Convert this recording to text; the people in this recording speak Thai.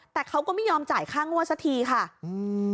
แต่เขาก็ไม่ยอมจ่ายค่างวดสักทีค่ะอืม